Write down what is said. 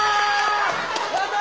やった！